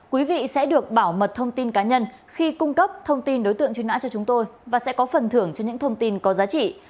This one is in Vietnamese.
quý vị sẽ được bảo mật thông tin cá nhân khi cung cấp thông tin đối tượng truy nã cho chúng tôi và sẽ có phần thưởng cho những thông tin có giá trị